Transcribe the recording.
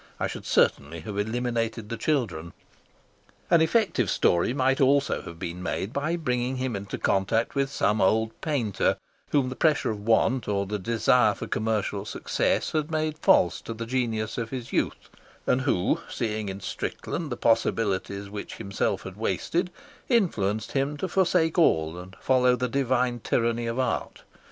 I should certainly have eliminated the children. An effective story might also have been made by bringing him into contact with some old painter whom the pressure of want or the desire for commercial success had made false to the genius of his youth, and who, seeing in Strickland the possibilities which himself had wasted, influenced him to forsake all and follow the divine tyranny of art.